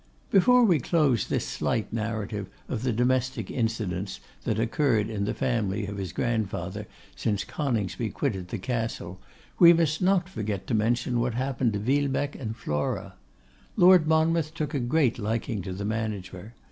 Before we close this slight narrative of the domestic incidents that occurred in the family of his grandfather since Coningsby quitted the Castle, we must not forget to mention what happened to Villebecque and Flora. Lord Monmouth took a great liking to the manager.